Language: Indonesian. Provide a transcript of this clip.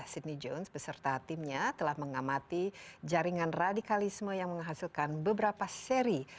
sydney jones beserta timnya telah mengamati jaringan radikalisme yang menghasilkan beberapa seri